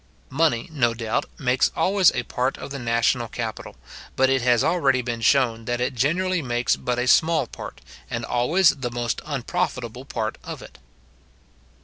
Money, no doubt, makes always a part of the national capital; but it has already been shown that it generally makes but a small part, and always the most unprofitable part of it.